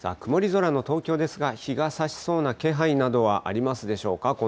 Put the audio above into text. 曇り空の東京ですが、日がさしそうな気配などはありますでしょうか。